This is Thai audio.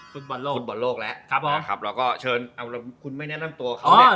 ฟุตบอลโลกแล้วแล้วก็เชิญเอาล่ะคุณไม่แนะนำตัวเขาเนี้ยอ๋อ